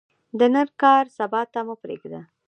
د نن کار، سبا ته مه پریږده.